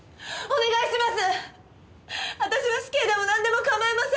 お願いします！